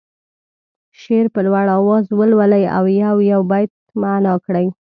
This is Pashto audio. شعر په لوړ اواز ولولي او یو یو بیت معنا کړي.